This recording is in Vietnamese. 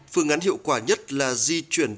phương án hiệu quả nhất là di chuyển